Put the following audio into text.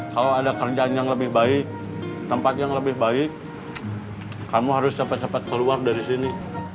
kalau ada kerjaan yang lebih baik tempat yang lebih baik kamu harus cepat cepat keluar dari sini